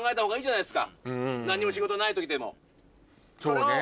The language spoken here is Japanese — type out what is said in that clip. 何も仕事ない時でも。